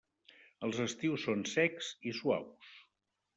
Els estius són secs i suaus.